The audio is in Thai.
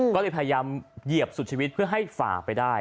ก็เลยพยายามเหยียบสุดชีวิตเพื่อให้ฝ่าไปได้